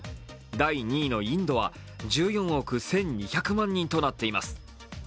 第２位のインドは１４億１２００万人となっています。